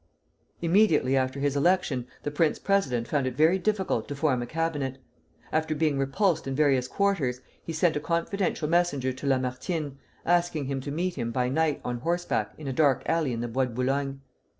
Immediately after his election the prince president found it very difficult to form a cabinet. After being repulsed in various quarters, he sent a confidential messenger to Lamartine, asking him to meet him by night on horseback in a dark alley in the Bois de Boulogne.